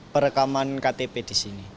perekaman ektp di sini